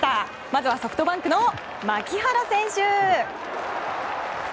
まずはソフトバンクの牧原選手。